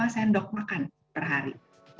lima sendok makan perhari